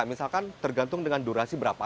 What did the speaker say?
misalkan tergantung dengan durasi berapa